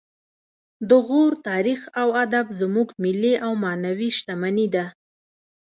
د غور تاریخ او ادب زموږ ملي او معنوي شتمني ده